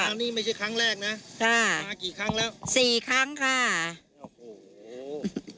อันนี้ไม่ใช่ครั้งแรกนะค่ะมากี่ครั้งแล้วสี่ครั้งค่ะโอ้โห